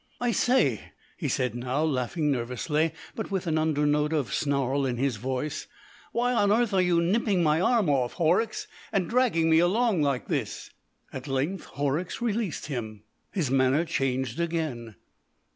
"I say," he said now, laughing nervously, but with an undernote of snarl in his voice, "why on earth are you nipping my arm off, Horrocks, and dragging me along like this?" At length Horrocks released him. His manner changed again.